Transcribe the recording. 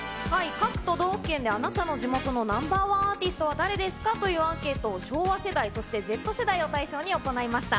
各都道府県で、あなたの地元のＮｏ．１アーティストは誰ですかというアンケートを、昭和世代、そしてＺ世代を対象に行いました。